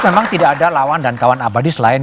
memang tidak ada lawan dan kawan abadi selain